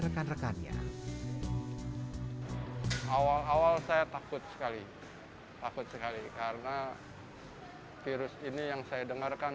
rekan rekannya awal awal saya takut sekali takut sekali karena virus ini yang saya dengarkan